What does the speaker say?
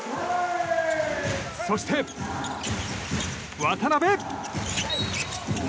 そして、渡邊。